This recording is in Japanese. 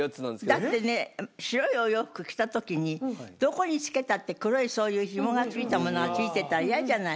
だってね白いお洋服着た時にどこにつけたって黒いそういうひもがついたものがついてたら嫌じゃない。